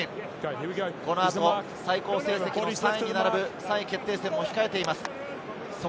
ただアルゼンチン、このあと最高成績の３位に並ぶ３位決定戦も控えています。